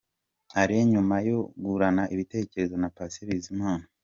Alain Numa yungurana ibitekerezo na Patient Bizimana.